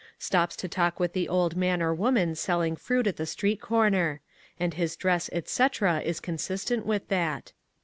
Stops to talk with the old man or woman selling fruit at the street corner. And his dress, etc., is consistent with that.